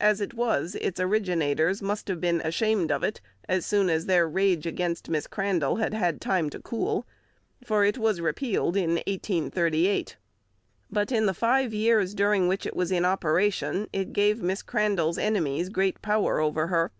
As it was, its originators must have been ashamed of it as soon as their rage against Miss Crandall had had time to cool, for it was repealed in 1838; but in the five years during which it was in operation it gave Miss Crandall's enemies great power over her.